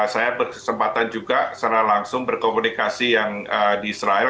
saya berkesempatan juga secara langsung berkomunikasi yang di israel